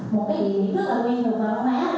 một cái điểm rất là quen thuộc vào bóng má